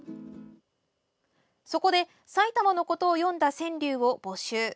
そこで埼玉のことを詠んだ川柳を募集。